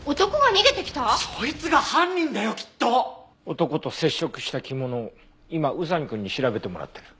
男と接触した着物を今宇佐見くんに調べてもらってる。